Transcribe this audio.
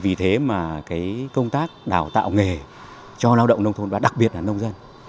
vì thế mà công tác đào tạo nghề cho lao động nông thôn và đặc biệt là nông dân